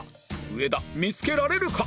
上田見つけられるか？